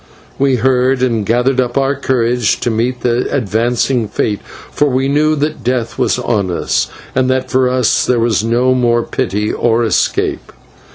We heard, and gathered up our courage to meet the advancing fate, for we knew that death was on us, and that for us there was no more pity or escape.